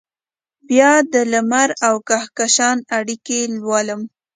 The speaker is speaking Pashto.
بیا دلمر اوکهکشان اړیکې لولم